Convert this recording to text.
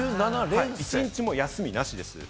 一日も休みなしです。